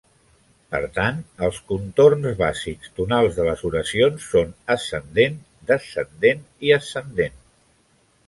Per tant, els contorns bàsics tonals de les oracions són ascendent-descendent i ascendent.